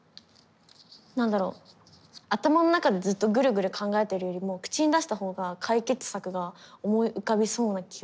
何だろう頭の中でずっとぐるぐる考えてるよりも口に出した方が解決策が思い浮かびそうな気は。